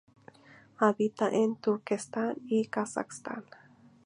Habita en Turquestán y Kazajistán.